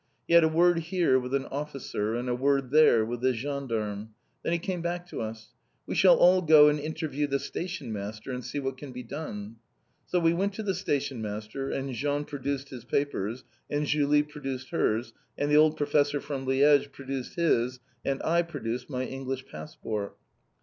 He had a word here with an officer, and a word there with a gendarme. Then he came back to us: "We shall all go and interview the stationmaster, and see what can be done!" So we went to the stationmaster, and Jean produced his papers, and Julie produced hers, and the old professor from Liège produced his, and I produced my English passport.